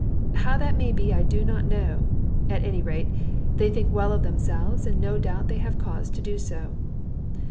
How that may be I do not know; at any rate, they think well of themselves, and no doubt they have cause to do so.